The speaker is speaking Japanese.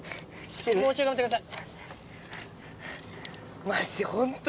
もうちょい頑張ってください。